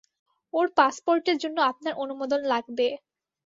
ওর পাসপোর্টের জন্য আপনার অনুমোদন লাগবে।